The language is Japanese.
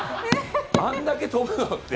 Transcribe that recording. あんだけ飛ぶのって。